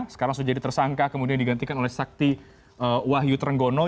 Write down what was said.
sekarang sudah jadi tersangka kemudian digantikan oleh sakti wahyu trenggono